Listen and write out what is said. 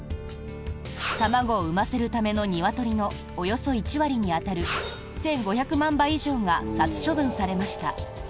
卵を産ませるためのニワトリのおよそ１割に当たる１５００万羽以上が殺処分されました。